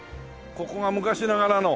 ここが昔ながらの。